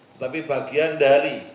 tetapi bagian dari